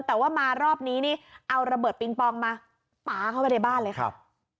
แต่ว่ามารอบนี้นี่เอาระเบิดปิงปองมาป๊าเข้าไปในบ้านเลยครับ